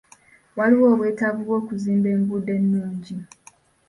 Waliwo obwetavu bw'okuzimba enguuddo ennungi.